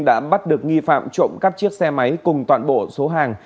đã bắt được nghi phạm trộm cắp chiếc xe máy cùng toàn bộ số hàng